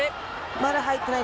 まだ入っていない。